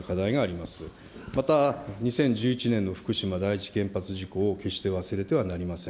また２０１１年の福島第一原発事故を決して忘れてはなりません。